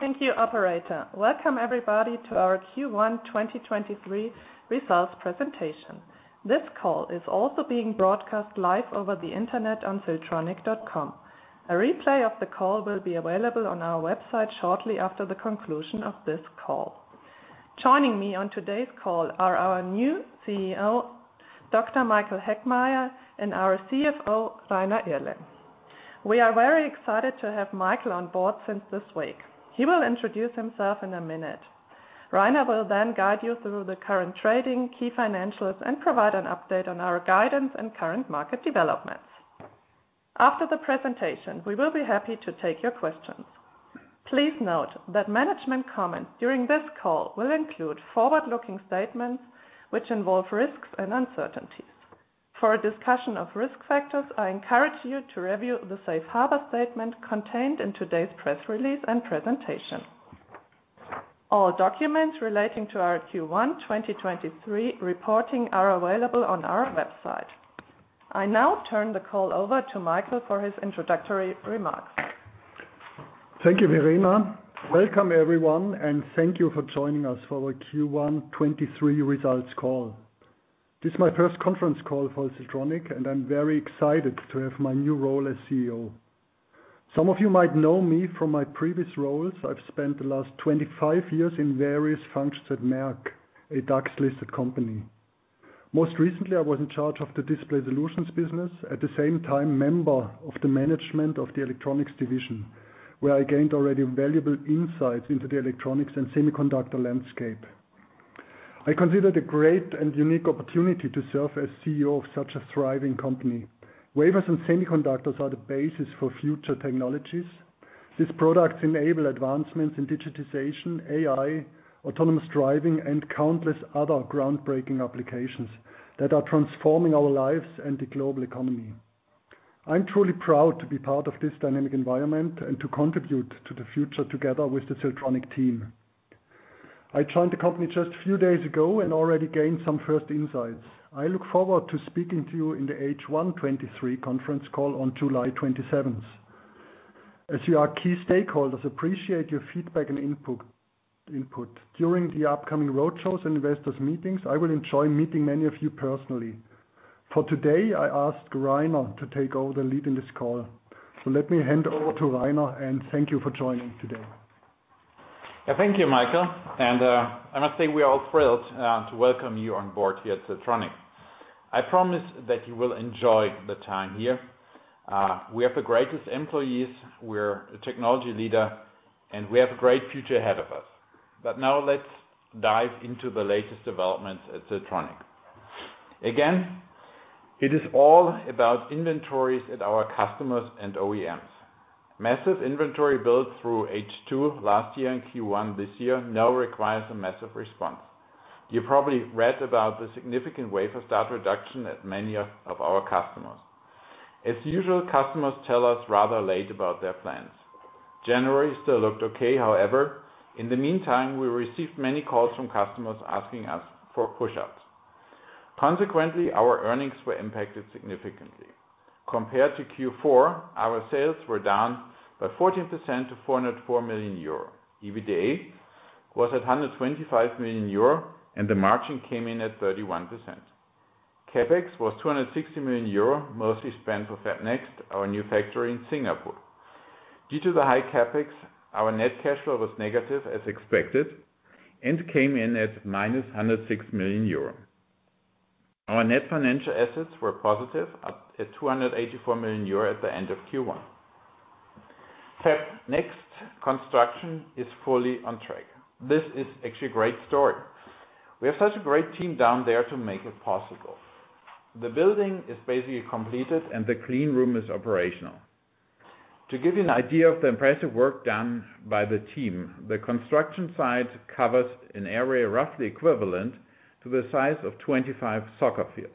Thank you, Operator. Welcome everybody to our Q1 2023 results presentation. This call is also being broadcast live over the internet on Siltronic.com. A replay of the call will be available on our website shortly after the conclusion of this call. Joining me on today's call are our new CEO, Dr. Michael Heckmeier, and our CFO, Rainer Irle. We are very excited to have Michael on board since this week. He will introduce himself in a minute. Rainer will guide you through the current trading, key financials, and provide an update on our guidance and current market developments. After the presentation, we will be happy to take your questions. Please note that management comments during this call will include forward-looking statements which involve risks and uncertainties. For a discussion of risk factors, I encourage you to review the safe harbor statement contained in today's press release and presentation. All documents relating to our Q1 2023 reporting are available on our website. I now turn the call over to Michael for his introductory remarks. Thank you, Verena. Welcome everyone, thank you for joining us for our Q1 2023 results call. This is my first conference call for Siltronic, I'm very excited to have my new role as CEO. Some of you might know me from my previous roles. I've spent the last 25 years in various functions at Merck, a DAX-listed company. Most recently, I was in charge of the Display Solutions business, at the same time member of the management of the electronics division, where I gained already valuable insights into the electronics and semiconductor landscape. I consider it a great and unique opportunity to serve as CEO of such a thriving company. Wafers and semiconductors are the basis for future technologies. These products enable advancements in digitization, AI, autonomous driving, countless other groundbreaking applications that are transforming our lives and the global economy. I'm truly proud to be part of this dynamic environment and to contribute to the future together with the Siltronic team. I joined the company just a few days ago and already gained some first insights. I look forward to speaking to you in the H1 2023 conference call on July 27th. As you are key stakeholders, appreciate your feedback and input. During the upcoming road shows and investors meetings, I will enjoy meeting many of you personally. For today, I ask Rainer to take over the lead in this call. Let me hand over to Rainer, and thank you for joining today. Thank you, Michael. I must say we are all thrilled to welcome you on board here at Siltronic. I promise that you will enjoy the time here. We have the greatest employees, we're a technology leader, and we have a great future ahead of us. Now let's dive into the latest developments at Siltronic. Again, it is all about inventories at our customers and OEMs. Massive inventory built through H2 last year and Q1 this year now requires a massive response. You probably read about the significant wafer start reduction at many of our customers. As usual, customers tell us rather late about their plans. January still looked okay, however, in the meantime, we received many calls from customers asking us for push-outs. Consequently, our earnings were impacted significantly. Compared to Q4, our sales were down by 14% to 404 million euro. EBITDA was at 125 million euro, and the margin came in at 31%. CapEx was 260 million euro, mostly spent for FabNext, our new factory in Singapore. Due to the high CapEx, our net cash flow was negative as expected and came in at minus 106 million euro. Our net financial assets were positive at 284 million euro at the end of Q1. FabNext construction is fully on track. This is actually a great story. We have such a great team down there to make it possible. The building is basically completed and the clean room is operational. To give you an idea of the impressive work done by the team, the construction site covers an area roughly equivalent to the size of 25 soccer fields.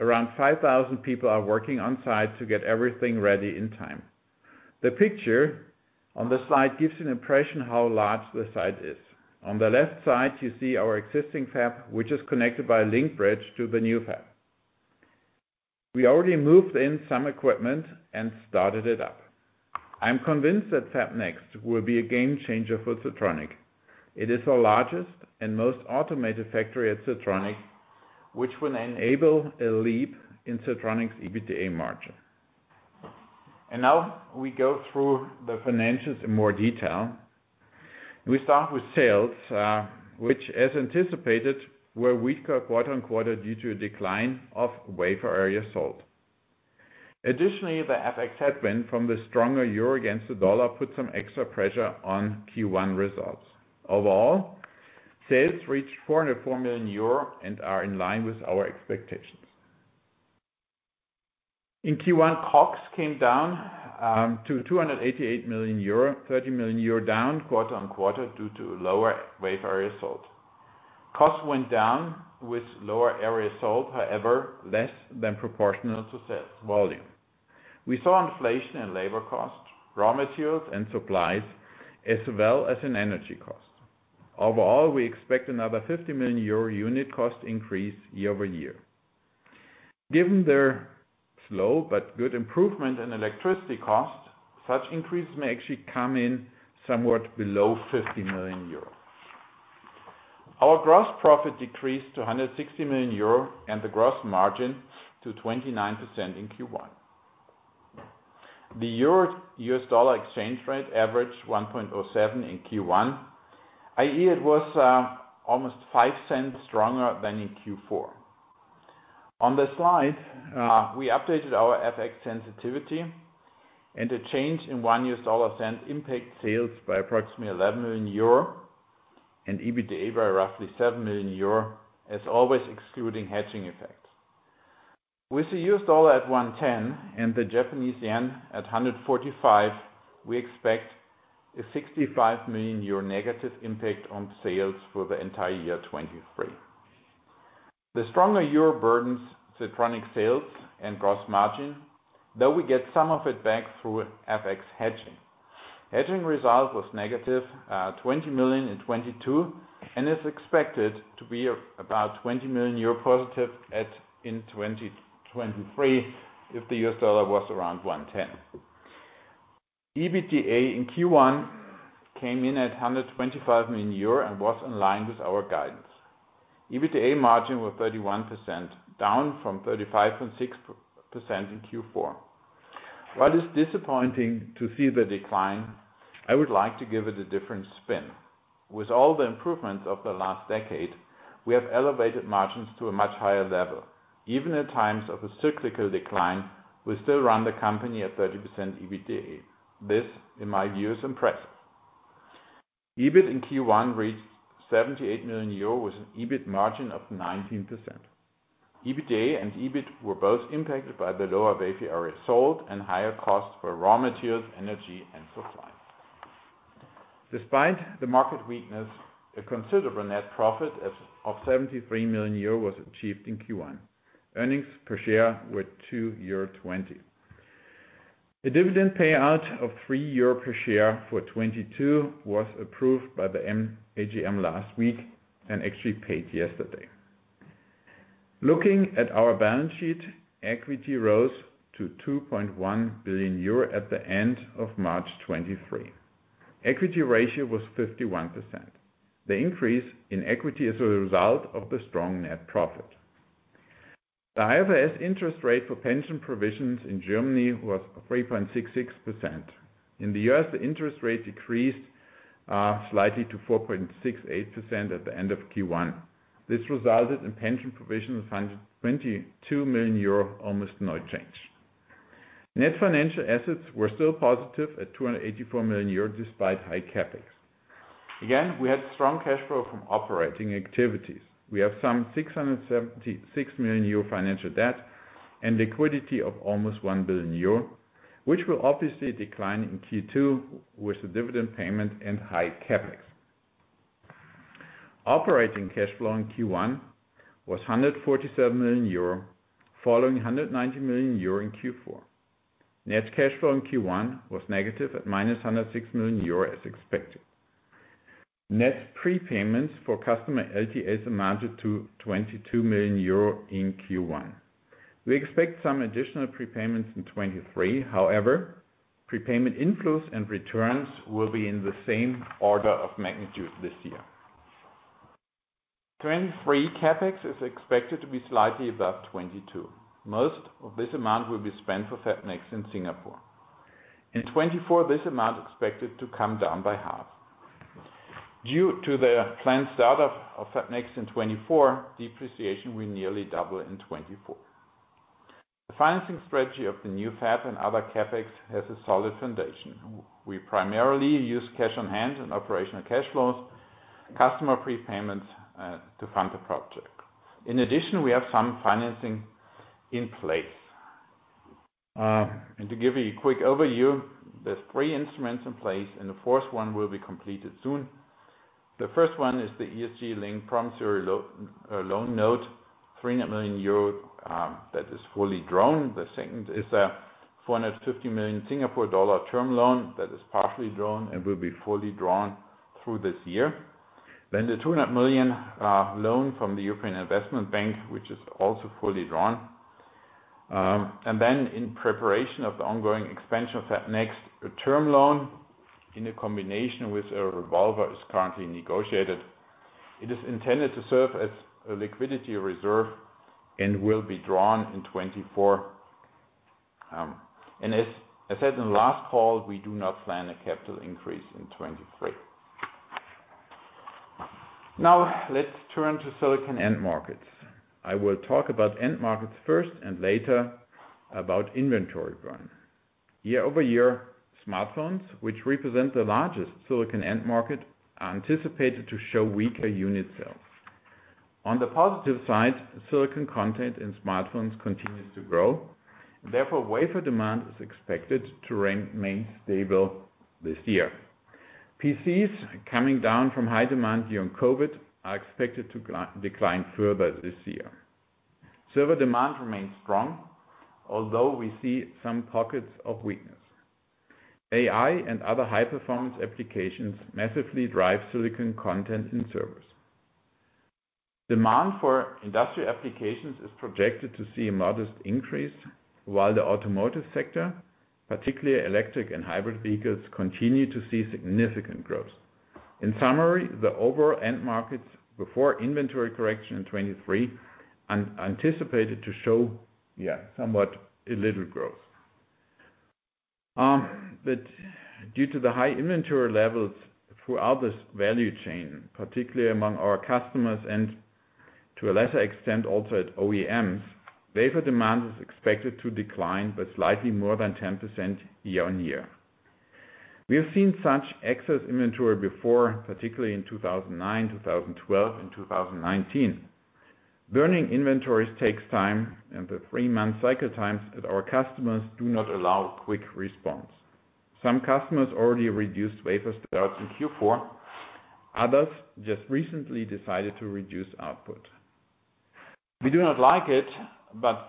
Around 5,000 people are working on-site to get everything ready in time. The picture on the slide gives you an impression how large the site is. On the left side, you see our existing fab, which is connected by a link bridge to the new fab. We already moved in some equipment and started it up. I'm convinced that FabNext will be a game changer for Siltronic. It is our largest and most automated factory at Siltronic, which will enable a leap in Siltronic's EBITDA margin. Now we go through the financials in more detail. We start with sales, which as anticipated, were weaker quarter-on-quarter due to a decline of wafer area sold. Additionally, the FX headwind from the stronger euro against the dollar put some extra pressure on Q1 results. Overall, sales reached 404 million euro and are in line with our expectations. In Q1, COGS came down to 288 million euro, 30 million euro down quarter-on-quarter due to lower wafer area sold. Costs went down with lower area sold, however, less than proportional to sales volume. We saw inflation in labor costs, raw materials and supplies, as well as in energy costs. Overall, we expect another 50 million euro unit cost increase year-over-year. Given their slow but good improvement in electricity costs, such increases may actually come in somewhat below 50 million euro. Our gross profit decreased to 160 million euro and the gross margin to 29% in Q1. The Euro-US dollar exchange rate averaged 1.07 in Q1, i.e. it was almost five cents stronger than in Q4. On this slide, we updated our FX sensitivity and a change in one US dollar cent impacts sales by approximately 11 million euro and EBITDA by roughly 7 million euro as always excluding hedging effects. With the US dollar at 110 and the Japanese yen at 145, we expect a 65 million euro negative impact on sales for the entire year 2023. The stronger Euro burdens the Siltronic sales and gross margin, though we get some of it back through FX hedging. Hedging result was negative 20 million in 2022 and is expected to be about 20 million euro positive in 2023 if the US dollar was around 110. EBITDA in Q1 came in at 125 million euro and was in line with our guidance. EBITDA margin was 31%, down from 35.6% in Q4. While it's disappointing to see the decline, I would like to give it a different spin. With all the improvements of the last decade, we have elevated margins to a much higher level. Even at times of a cyclical decline, we still run the company at 30% EBITDA. This, in my view, is impressive. EBIT in Q1 reached 78 million euro with an EBIT margin of 19%. EBITDA and EBIT were both impacted by the lower wafer area sold and higher costs for raw materials, energy, and supplies. Despite the market weakness, a considerable net profit of 73 million euro was achieved in Q1. Earnings per share were 2.20 euro. A dividend payout of 3 euro per share for 2022 was approved by the AGM last week and actually paid yesterday. Looking at our balance sheet, equity rose to 2.1 billion euro at the end of March 2023. Equity ratio was 51%. The increase in equity is a result of the strong net profit. The IFRS interest rate for pension provisions in Germany was 3.66%. In the U.S., the interest rate decreased slightly to 4.68% at the end of Q1. This resulted in pension provision of 122 million euro, almost no change. Net financial assets were still positive at 284 million euro despite high CapEx. Again, we had strong cash flow from operating activities. We have some 676 million euro financial debt and liquidity of almost 1 billion euro, which will obviously decline in Q2 with the dividend payment and high CapEx. Operating cash flow in Q1 was 147 million euro, following 190 million euro in Q4. Net cash flow in Q1 was negative at minus 106 million euro as expected. Net prepayments for customer LTS amounted to 22 million euro in Q1. We expect some additional prepayments in 2023. Prepayment inflows and returns will be in the same order of magnitude this year. 2023 CapEx is expected to be slightly above 2022. Most of this amount will be spent for FabNext in Singapore. In 2024, this amount is expected to come down by half. Due to the planned start of FabNext in 2024, depreciation will nearly double in 2024. The financing strategy of the new fab and other CapEx has a solid foundation. We primarily use cash on hand and operational cash flows, customer prepayments, to fund the project. In addition, we have some financing in place. To give you a quick overview, there's three instruments in place, and the fourth one will be completed soon. The first one is the ESG-linked promissory loan note, 300 million euro, that is fully drawn. The second is a 450 million Singapore dollar term loan that is partially drawn and will be fully drawn through this year. The 200 million loan from the European Investment Bank, which is also fully drawn. In preparation of the ongoing expansion of FabNext, a term loan in a combination with a revolver is currently negotiated. It is intended to serve as a liquidity reserve and will be drawn in 2024. As I said in last call, we do not plan a capital increase in 2023. Let's turn to silicon end markets. I will talk about end markets first and later about inventory burn. Year-over-year, smartphones, which represent the largest silicon end market, are anticipated to show weaker unit sales. On the positive side, silicon content in smartphones continues to grow, therefore, wafer demand is expected to remain stable this year. PCs coming down from high demand during COVID are expected to decline further this year. Server demand remains strong, although we see some pockets of weakness. AI and other high-performance applications massively drive silicon content in servers. Demand for industrial applications is projected to see a modest increase, while the automotive sector, particularly electric and hybrid vehicles, continue to see significant growth. In summary, the overall end markets before inventory correction in 2023 are anticipated to show, yeah, somewhat a little growth. But due to the high inventory levels throughout this value chain, particularly among our customers and to a lesser extent also at OEMs, wafer demand is expected to decline by slightly more than 10% year-over-year. We have seen such excess inventory before, particularly in 2009, 2012, and 2019. Burning inventories takes time, and the three-month cycle times at our customers do not allow quick response. Some customers already reduced wafer starts in Q4. Others just recently decided to reduce output. We do not like it.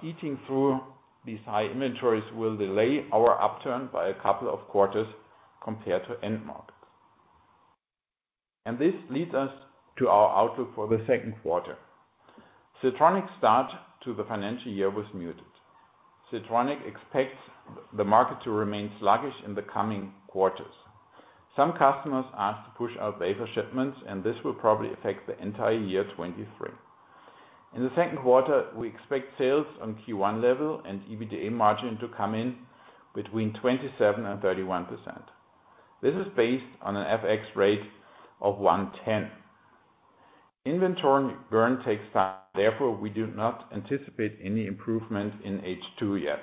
Eating through these high inventories will delay our upturn by a couple of quarters compared to end markets. This leads us to our outlook for the second quarter. Siltronic start to the financial year was muted. Siltronic expects the market to remain sluggish in the coming quarters. Some customers asked to push out wafer shipments, and this will probably affect the entire year 2023. In the second quarter, we expect sales on Q1 level and EBITDA margin to come in between 27% and 31%. This is based on an FX rate of 1.10. Inventory burn takes time. Therefore, we do not anticipate any improvement in H2 yet.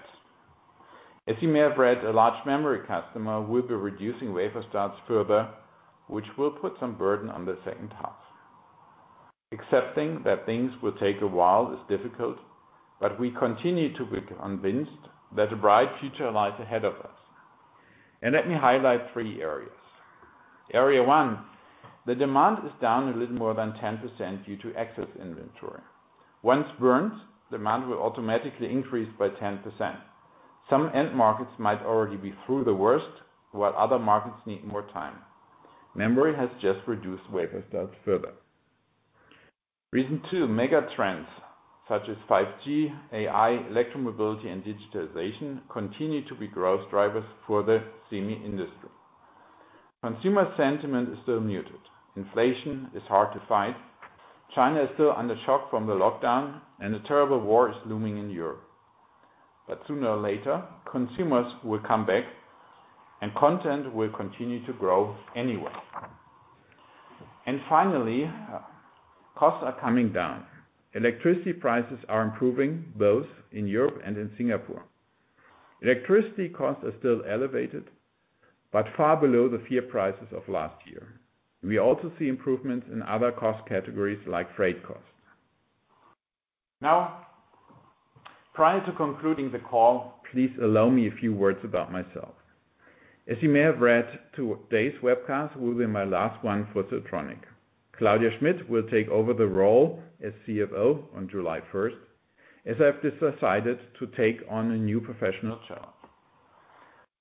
As you may have read, a large memory customer will be reducing wafer starts further, which will put some burden on the second half. Accepting that things will take a while is difficult, we continue to be convinced that a bright future lies ahead of us. Let me highlight three areas. Area 1, the demand is down a little more than 10% due to excess inventory. Once burnt, demand will automatically increase by 10%. Some end markets might already be through the worst, while other markets need more time. Memory has just reduced wafer starts further. Reason two, mega trends such as 5G, AI, electro mobility and digitalization continue to be growth drivers for the semi industry. Consumer sentiment is still muted. Inflation is hard to fight. China is still under shock from the lockdown and a terrible war is looming in Europe. Sooner or later, consumers will come back and content will continue to grow anyway. Finally, costs are coming down. Electricity prices are improving both in Europe and in Singapore. Electricity costs are still elevated, but far below the fear prices of last year. We also see improvements in other cost categories like freight costs. Prior to concluding the call, please allow me a few words about myself. As you may have read, today's webcast will be my last one for Siltronic. Claudia Schmitt will take over the role as CFO on July 1st, as I have decided to take on a new professional challenge.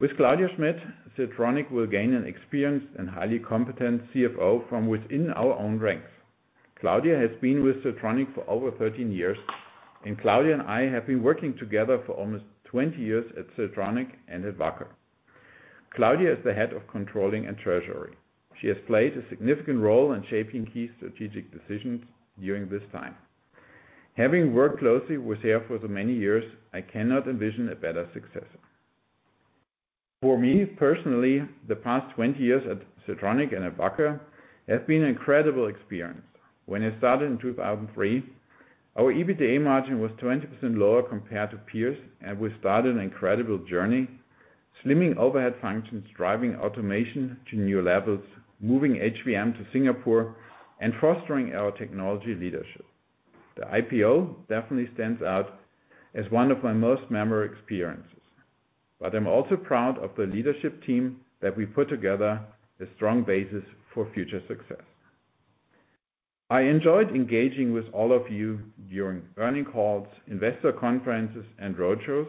With Claudia Schmitt, Siltronic will gain an experienced and highly competent CFO from within our own ranks. Claudia has been with Siltronic for over 13 years, and Claudia and I have been working together for almost 20 years at Siltronic and at Wacker. Claudia is the head of Controlling and Treasury. She has played a significant role in shaping key strategic decisions during this time. Having worked closely with her for so many years, I cannot envision a better successor. For me personally, the past 20 years at Siltronic and at Wacker have been an incredible experience. When I started in 2003, our EBITDA margin was 20% lower compared to peers, and we started an incredible journey, slimming overhead functions, driving automation to new levels, moving HVM to Singapore, and fostering our technology leadership. The IPO definitely stands out as one of my most memorable experiences. I'm also proud of the leadership team that we put together the strong basis for future success. I enjoyed engaging with all of you during earning calls, investor conferences, and roadshows,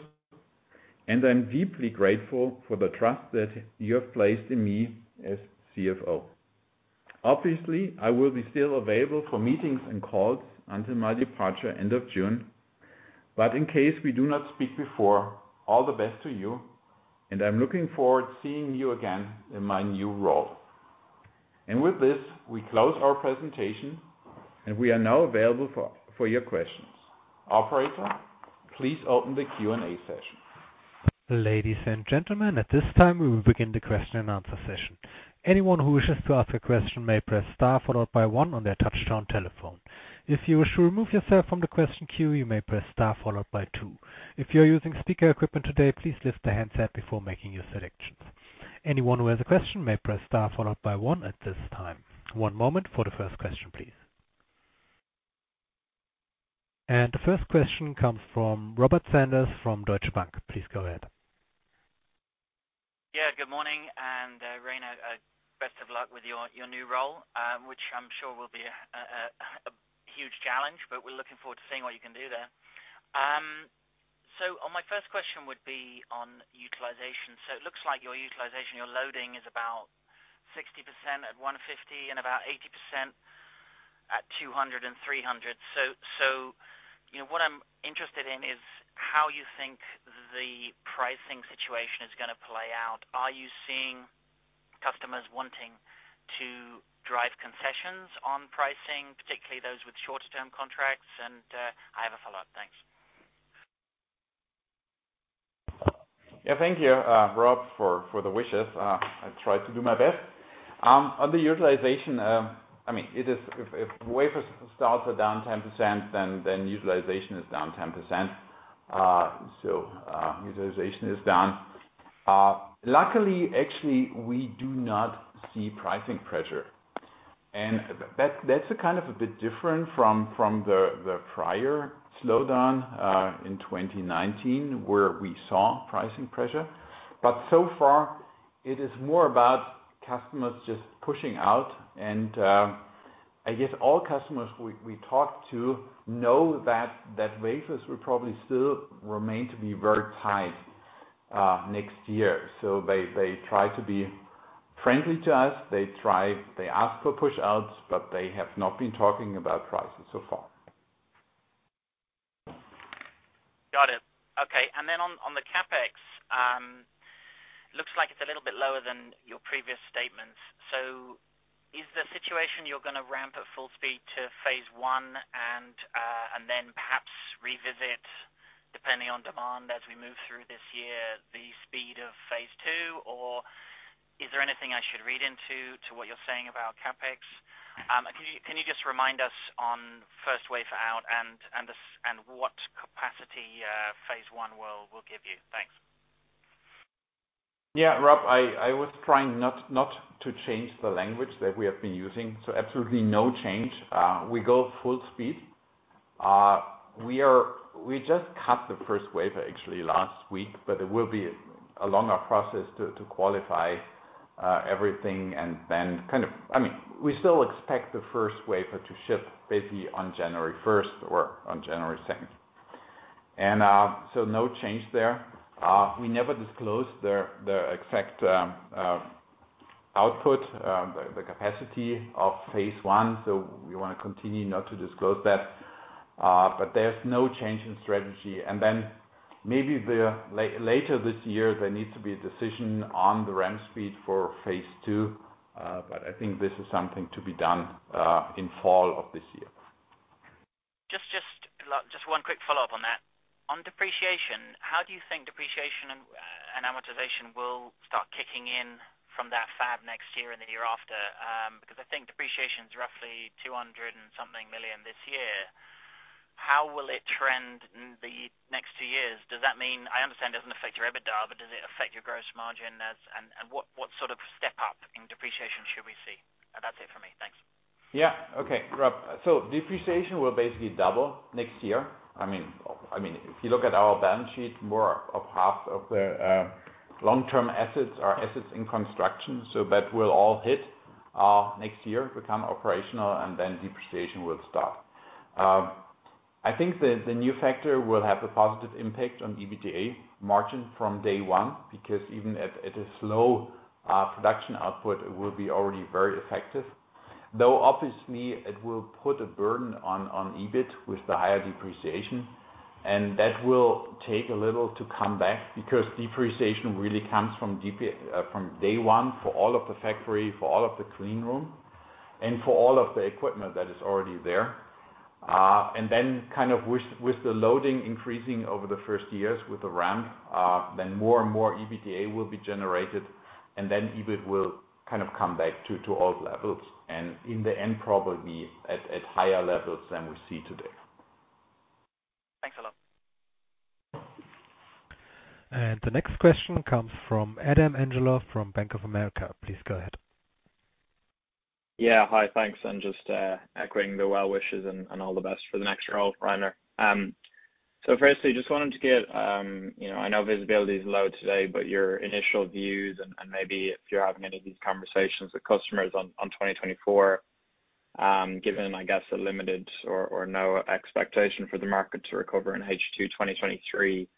and I'm deeply grateful for the trust that you have placed in me as CFO. Obviously, I will be still available for meetings and calls until my departure end of June. In case we do not speak before, all the best to you, and I'm looking forward to seeing you again in my new role. With this, we close our presentation and we are now available for your questions. Operator, please open the Q&A session. Ladies and gentlemen, at this time, we will begin the question and answer session. Anyone who wishes to ask a question may press star followed by one on their touchtone telephone. If you wish to remove yourself from the question queue, you may press star followed by two. If you're using speaker equipment today, please lift the handset before making your selections. Anyone who has a question may press star followed by one at this time. 1 moment for the first question, please. The first question comes from Robert Sanders from Deutsche Bank. Please go ahead. Yeah, good morning. And Rainer best of luck with your new role, which I'm sure will be a huge challenge, but we're looking forward to seeing what you can do there. On my first question would be on utilization. It looks like your utilization, your loading is about 60% at 150 and about 80% at 200 and 300. You know, what I'm interested in is how you think the pricing situation is gonna play out. Are you seeing customers wanting to drive concessions on pricing, particularly those with shorter term contracts? I have a follow-up. Thanks. Yeah, thank you, Robert, for the wishes. I try to do my best. On the utilization, I mean, if wafer starts are down 10%, then utilization is down 10%. So, utilization is down. Luckily, actually, we do not see pricing pressure. That's a kind of a bit different from the prior slowdown in 2019 where we saw pricing pressure. So far it is more about customers just pushing out and, I guess all customers we talked to know that wafers will probably still remain to be very tight next year. They try to be friendly to us. They ask for push-outs, but they have not been talking about prices so far. Got it. Okay. On, on the CapEx, looks like it's a little bit lower than your previous statements. Is the situation you're gonna ramp at full speed to phase 1 and then perhaps revisit depending on demand as we move through this year, the speed of phase 2? Is there anything I should read into to what you're saying about CapEx? Can you just remind us on first wafer out and what capacity phase one will give you? Thanks. Robert, I was trying not to change the language that we have been using, absolutely no change. We go full speed. We just cut the first wafer actually last week, but it will be a longer process to qualify everything and then I mean, we still expect the first wafer to ship basically on January 1st or on January 2nd. No change there. We never disclose the exact output, the capacity of phase one, we wanna continue not to disclose that. There's no change in strategy. Maybe later this year, there needs to be a decision on the ramp speed for phase 2, I think this is something to be done in fall of this year. Just one quick follow-up on that. On depreciation, how do you think depreciation and amortization will start kicking in from that FabNext year and the year after? Because I think depreciation is roughly 200 and something million this year. How will it trend in the next two years? Does that mean? I understand it doesn't affect your EBITDA, but does it affect your gross margin as? What sort of step up in depreciation should we see? That's it for me. Thanks. Yeah. Okay, Robert. Depreciation will basically double next year. I mean, if you look at our balance sheet, more of half of the long-term assets are assets in construction, so that will all hit next year, become operational and then depreciation will start. I think the new factor will have a positive impact on EBITDA margin from day one, because even at a slow production output, it will be already very effective. Obviously it will put a burden on EBIT with the higher depreciation, and that will take a little to come back because depreciation really comes from day one for all of the factory, for all of the clean room, and for all of the equipment that is already there. Then kind of with the loading increasing over the first years with the ramp, then more and more EBITDA will be generated and then EBIT will kind of come back to old levels, and in the end probably at higher levels than we see today. Thanks a lot. The next question comes from Adithya Metuku from Bank of America. Please go ahead. Yeah. Hi. Thanks. Just echoing the well wishes and all the best for the next role, Rainer. Firstly, just wanted to get, you know, I know visibility is low today, but your initial views and maybe if you're having any of these conversations with customers on 2024, given I guess a limited or no expectation for the market to recover in H2 2023,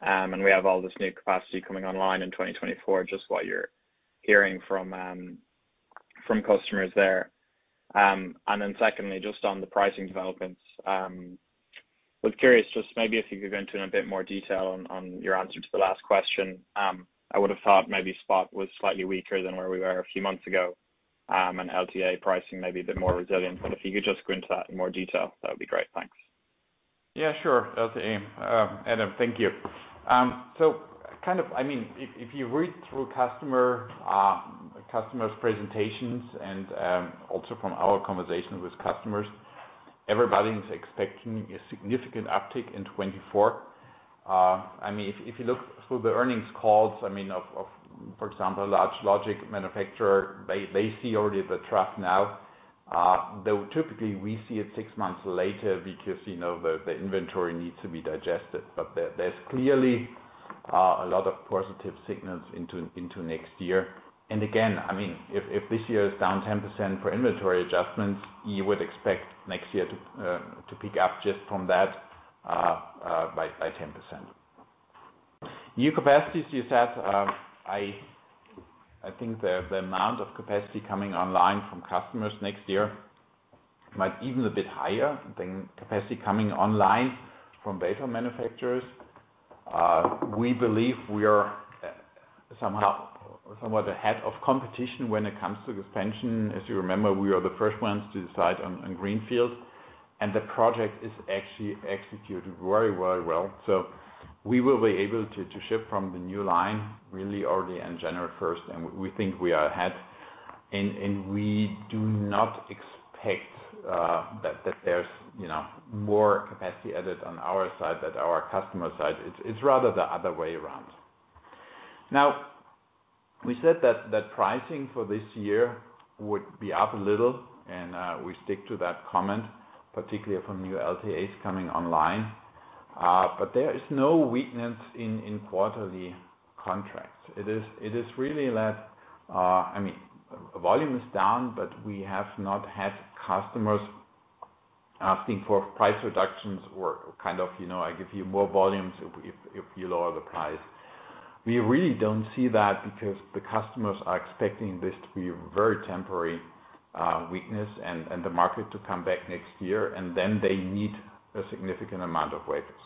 and we have all this new capacity coming online in 2024, just what you're hearing from customers there. Secondly, just on the pricing developments, was curious just maybe if you could go into in a bit more detail on your answer to the last question. I would have thought maybe spot was slightly weaker than where we were a few months ago, and LTA pricing maybe a bit more resilient. If you could just go into that in more detail, that would be great. Thanks. Yeah, sure. That's aim. Adithya, thank you. So kind of, I mean, if you read through customer, customers' presentations and also from our conversations with customers, everybody is expecting a significant uptick in 2024. I mean, if you look through the earnings calls, I mean, of for example, large logic manufacturer, they see already the trough now. Though typically we see it six months later because, you know, the inventory needs to be digested. But there's clearly a lot of positive signals into next year. Again, I mean, if this year is down 10% for inventory adjustments, you would expect next year to pick up just from that by 10%. New capacities you said, I think the amount of capacity coming online from customers next year might even a bit higher than capacity coming online from wafer manufacturers. We believe we are somehow or somewhat ahead of competition when it comes to expansion. As you remember, we are the first ones to decide on Greenfield, and the project is actually executed very well. We will be able to ship from the new line really early in January first, and we think we are ahead. We do not expect that there's, you know, more capacity added on our side than our customer side. It's rather the other way around. We said that pricing for this year would be up a little and we stick to that comment, particularly from new LTAs coming online. There is no weakness in quarterly contracts. It is, it is really that, I mean, volume is down, but we have not had customers asking for price reductions or kind of, you know, I give you more volumes if, if you lower the price. We really don't see that because the customers are expecting this to be very temporary, weakness and the market to come back next year, and then they need a significant amount of wafers.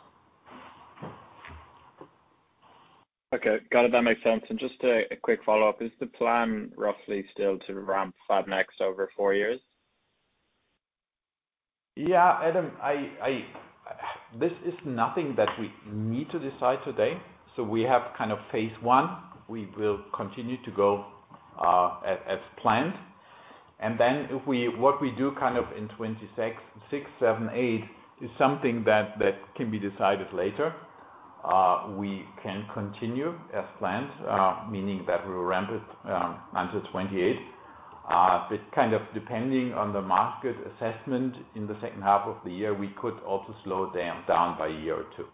Okay. Got it. That makes sense. Just a quick follow-up. Is the plan roughly still to ramp FabNext over four years? Yeah, Adithya, this is nothing that we need to decide today. We have kind of phase 1 We will continue to go as planned. What we do kind of in 2026, 2027, 2028 is something that can be decided later. We can continue as planned, meaning that we'll ramp it until 2028. It's kind of depending on the market assessment in the second half of the year, we could also slow down by a year or two.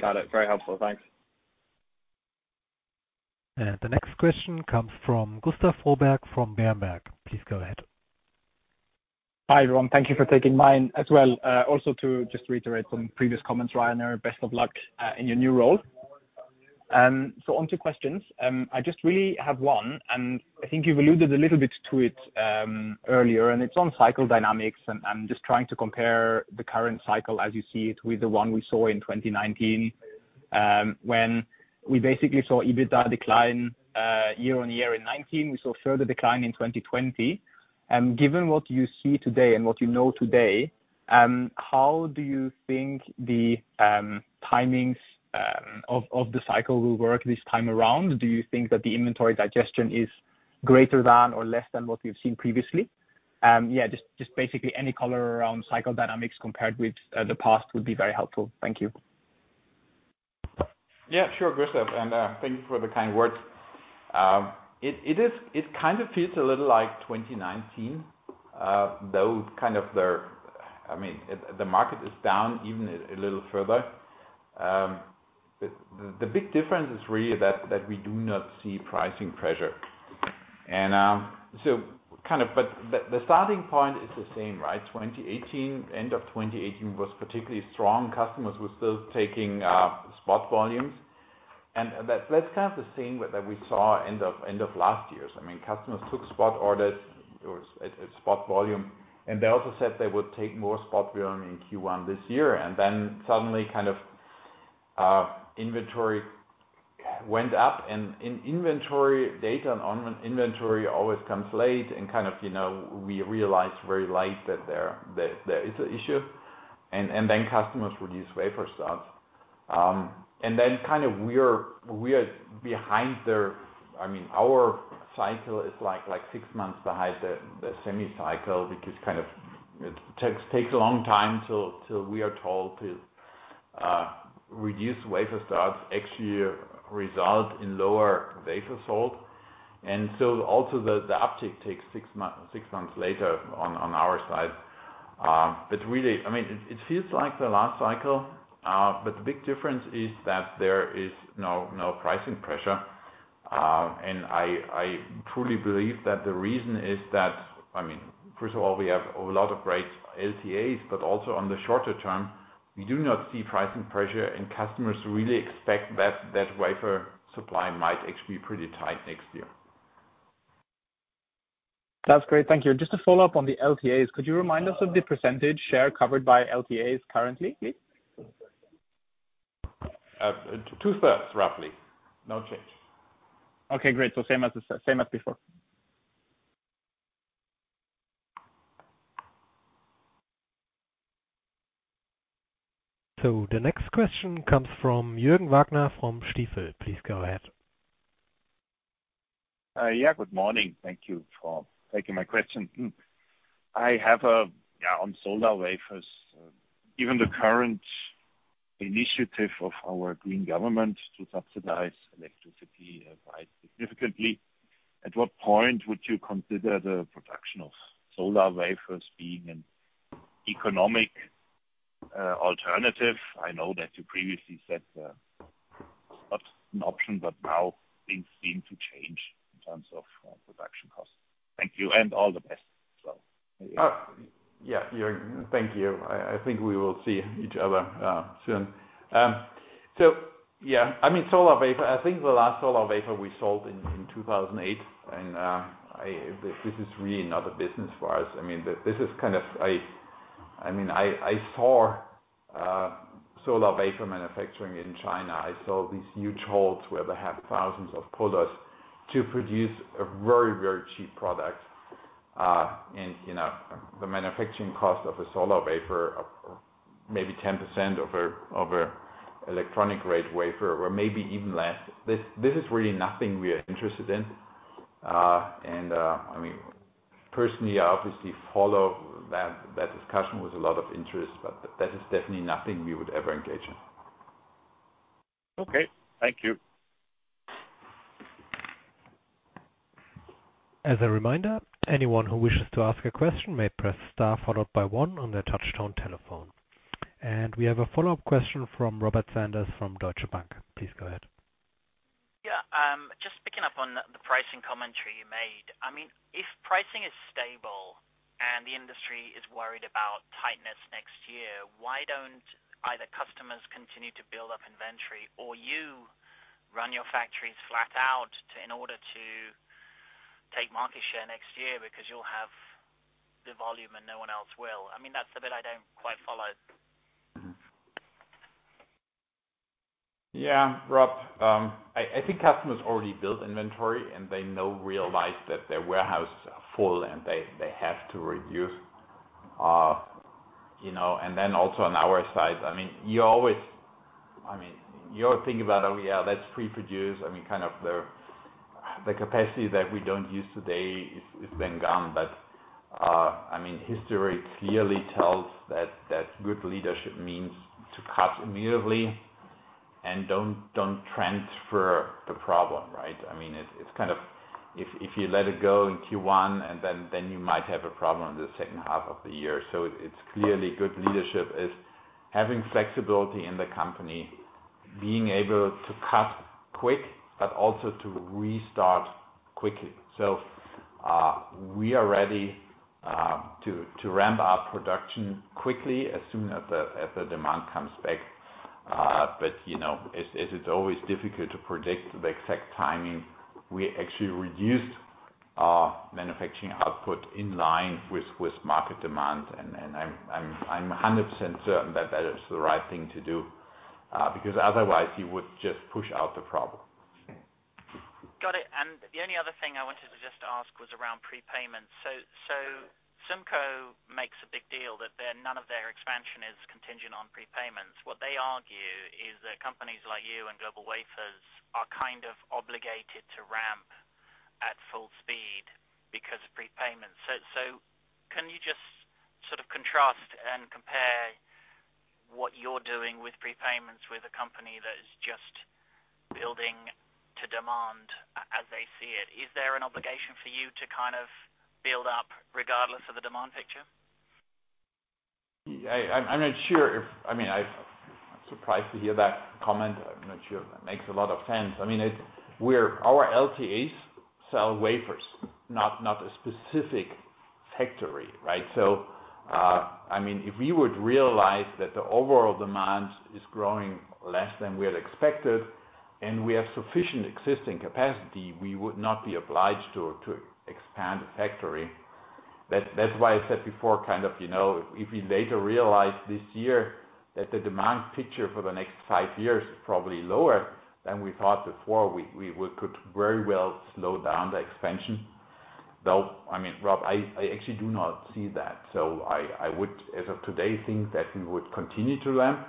Got it. Very helpful. Thanks. The next question comes from Gustav Fröberg from Berenberg. Please go ahead. Hi, everyone. Thank you for taking mine as well. Also to just reiterate some previous comments, Rainer, best of luck in your new role. Onto questions. I just really have one, and I think you've alluded a little bit to it earlier, and it's on cycle dynamics. I'm just trying to compare the current cycle as you see it with the one we saw in 2019, when we basically saw EBITDA decline year-on-year in 2019. We saw further decline in 2020. Given what you see today and what you know today, how do you think the timings of the cycle will work this time around? Do you think that the inventory digestion is greater than or less than what we've seen previously? Yeah, just basically any color around cycle dynamics compared with the past would be very helpful. Thank you. Yeah, sure, Gustav, thank you for the kind words. It kind of feels a little like 2019, though I mean, the market is down even a little further. The big difference is really that we do not see pricing pressure. The starting point is the same, right? 2018, end of 2018 was particularly strong. Customers were still taking spot volumes. That's kind of the same that we saw end of last year. I mean, customers took spot orders or spot volume, they also said they would take more spot volume in Q1 this year. Suddenly kind of, inventory went up, and in inventory data and on inventory always comes late and kind of, you know, we realized very late that there is a issue, and then customers reduce wafer starts. Kind of we're behind their... I mean, our cycle is like six months behind the semi cycle, which is kind of. It takes a long time till we are told to reduce wafer starts actually result in lower wafer sold. Also the uptick takes six months later on our side. Really, I mean, it feels like the last cycle, but the big difference is that there is no pricing pressure. I truly believe that the reason is that, I mean, first of all, we have a lot of great LTAs, but also on the shorter term, we do not see pricing pressure, and customers really expect that that wafer supply might actually be pretty tight next year. Sounds great. Thank you. Just a follow-up on the LTAs. Could you remind us of the % share covered by LTAs currently? Two-thirds, roughly. No change. Okay, great. same as before. The next question comes from Juergen Wagner from Stifel. Please go ahead. Good morning. Thank you for taking my question. I have a on solar wafers. Given the current initiative of our green government to subsidize electricity by significantly At what point would you consider the production of solar wafers being an economic alternative? I know that you previously said not an option, now things seem to change in terms of production costs. Thank you and all the best as well. Yeah. Thank you. I think we will see each other soon. Yeah. I mean, solar wafer. I think the last solar wafer we sold in 2008. This is really not a business for us. I mean, this is kind of... I mean, I saw solar wafer manufacturing in China. I saw these huge holes where they have thousands of pullers to produce a very, very cheap product. You know, the manufacturing cost of a solar wafer, maybe 10% of a, of a electronic grade wafer or maybe even less. This, this is really nothing we are interested in. I mean, personally, I obviously follow that discussion with a lot of interest, but that is definitely nothing we would ever engage in. Okay, thank you. As a reminder, anyone who wishes to ask a question may press star followed by one on their touch-tone telephone. We have a follow-up question from Robert Sanders from Deutsche Bank. Please go ahead. Yeah. Just picking up on the pricing commentary you made. I mean, if pricing is stable and the industry is worried about tightness next year, why don't either customers continue to build up inventory or you run your factories flat out in order to take market share next year because you'll have the volume and no one else will? I mean, that's the bit I don't quite follow. Yeah. Robert, I think customers already built inventory, and they now realize that their warehouse is full and they have to reduce, you know. Also on our side, I mean, you always think about, oh, yeah, let's pre-produce. I mean, kind of the capacity that we don't use today is then gone. History clearly tells that good leadership means to cut immediately and don't transfer the problem, right? I mean, it's kind of if you let it go in Q1 and then you might have a problem in the second half of the year. It's clearly good leadership is having flexibility in the company, being able to cut quick, but also to restart quickly. We are ready to ramp up production quickly as soon as the demand comes back. You know, it is always difficult to predict the exact timing. We actually reduced our manufacturing output in line with market demand. I'm 100% certain that that is the right thing to do because otherwise you would just push out the problem. Got it. The only other thing I wanted to just ask was around prepayments. SUMCO makes a big deal that none of their expansion is contingent on prepayments. What they argue is that companies like you and GlobalWafers are kind of obligated to ramp at full speed because of prepayments. Can you just sort of contrast and compare what you're doing with prepayments with a company that is just building to demand as they see it? Is there an obligation for you to kind of build up regardless of the demand picture? I'm not sure if... I mean, I'm surprised to hear that comment. I'm not sure if that makes a lot of sense. I mean, our LTAs sell wafers, not a specific factory, right? I mean, if we would realize that the overall demand is growing less than we had expected and we have sufficient existing capacity, we would not be obliged to expand the factory. That's why I said before, kind of, you know, if we later realize this year that the demand picture for the next five years is probably lower than we thought before, we could very well slow down the expansion. I mean, Rob, I actually do not see that. I would, as of today, think that we would continue to ramp.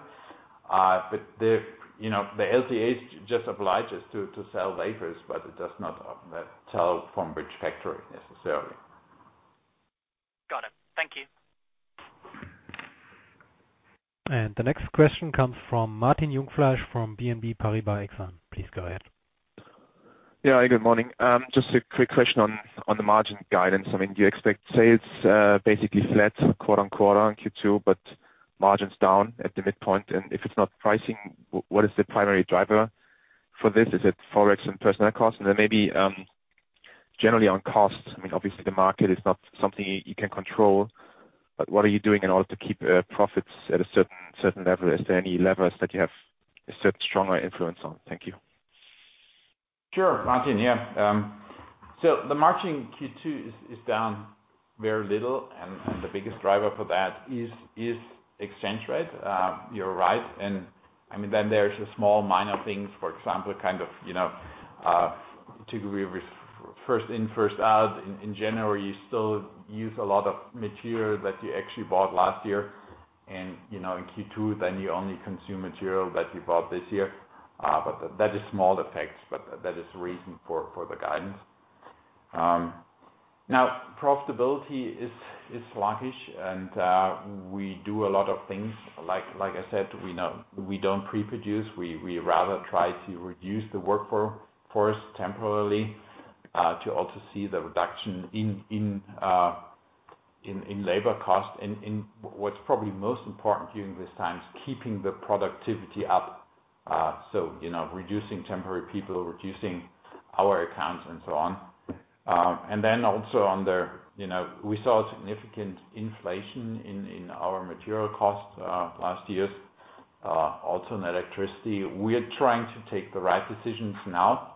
The, you know, the LTA just oblige us to sell wafers, but it does not tell from which factory necessarily. Got it. Thank you. The next question comes from Martin Jungfleisch from BNP Paribas Exane. Please go ahead. Yeah. Good morning. Just a quick question on the margin guidance. I mean, do you expect sales, basically flat quarter-on-quarter in Q2, but margins down at the midpoint? If it's not pricing, what is the primary driver for this? Is it Forex and personnel costs? Then maybe, generally on costs, I mean, obviously the market is not something you can control, but what are you doing in order to keep profits at a certain level? Is there any levers that you have a certain stronger influence on? Thank you. Sure, Martin. Yeah. The margin Q2 is down very little, and the biggest driver for that is exchange rate. You're right. I mean, then there's the small minor things, for example, kind of, you know, to do with First In, First Out. In January, you still use a lot of material that you actually bought last year. You know, in Q2, you only consume material that you bought this year. That is small effects, but that is the reason for the guidance. Now profitability is sluggish and we do a lot of things. Like I said, we know we don't pre-produce. We rather try to reduce the workforce temporarily, to also see the reduction in labor costs. What's probably most important during this time is keeping the productivity up. So, you know, reducing temporary people, reducing our accounts and so on. You know, we saw a significant inflation in our material costs last year, also in electricity. We are trying to take the right decisions now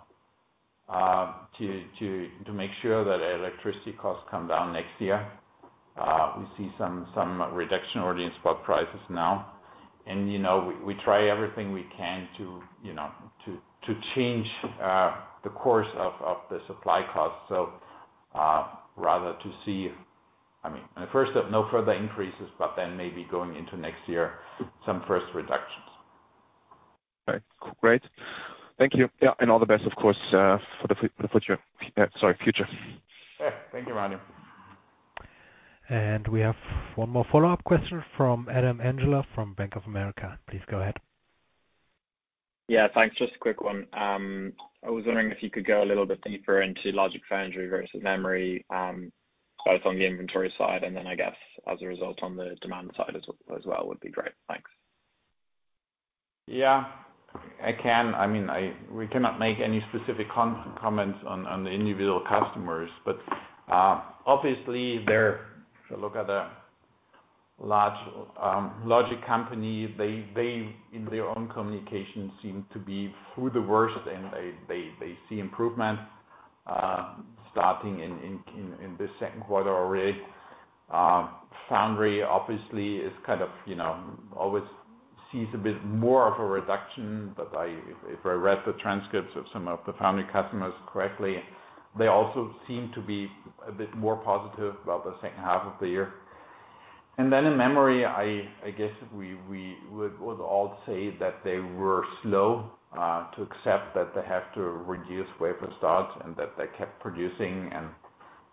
to make sure that our electricity costs come down next year. We see some reduction already in spot prices now. You know, we try everything we can to, you know, to change the course of the supply costs. I mean, first no further increases, but then maybe going into next year, some first reductions. Okay, great. Thank you. Yeah, all the best, of course, for the future. Sorry, future. Yeah. Thank you, Martin. We have one more follow-up question from Adithya Metuku from Bank of America. Please go ahead. Thanks. Just a quick one. I was wondering if you could go a little bit deeper into logic foundry versus memory, both on the inventory side and then I guess as a result on the demand side as well would be great. Thanks. Yeah. I can. I mean, we cannot make any specific comments on the individual customers. Obviously, if you look at the large logic company, they in their own communication seem to be through the worst and they see improvement starting in this second quarter already. Foundry obviously is kind of, you know, always sees a bit more of a reduction. If I read the transcripts of some of the foundry customers correctly, they also seem to be a bit more positive about the second half of the year. In memory, I guess we would all say that they were slow to accept that they have to reduce wafer starts and that they kept producing.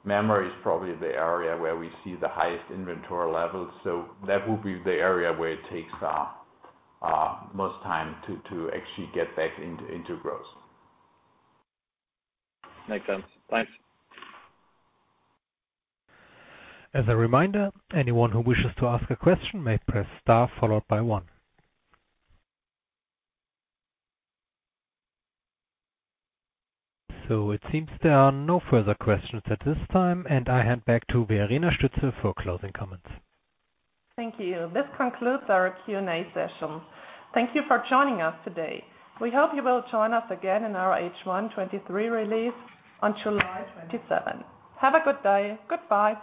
Memory is probably the area where we see the highest inventory levels, so that will be the area where it takes most time to actually get back into growth. Makes sense. Thanks. As a reminder, anyone who wishes to ask a question may press star followed by one. It seems there are no further questions at this time. I hand back to Verena Stütze for closing comments. Thank you. This concludes our Q&A session. Thank you for joining us today. We hope you will join us again in our H1 2023 release on July 27. Have a good day. Goodbye.